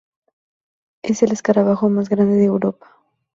Es el escarabajo más grande de Europa.